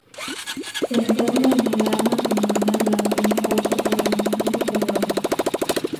Se interna en el alma femenina durante un corto pero decisivo periodo.